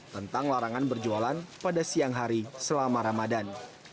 tentang larangan berjualan pada siang hari selama ramadan